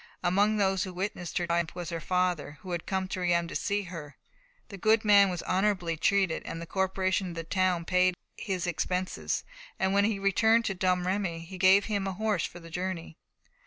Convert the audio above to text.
Among those who witnessed her triumph was her father, who had come to Reims to see her. The good man was honourably treated; the corporation of the town paid his expenses, and when he returned to Domremy, gave him a horse for the journey.